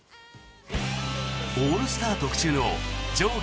オールスター特注の上下